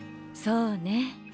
そうね。